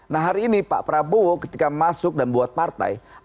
nah hari ini pak prabowo ketika masuk dan buat partai